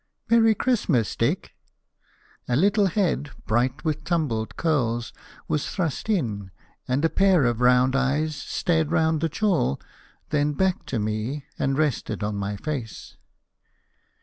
"Merry Christmas, Dick!" A little head, bright with tumbled curls, was thrust in, and a pair of round eyes stared round the chall, then back to me, and rested on my face.